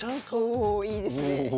おいいですね。